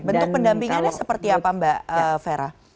bentuk pendampingannya seperti apa mbak fera